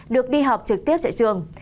được đi học trực tiếp trại trường